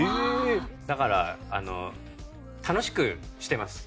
だから楽しくしてます。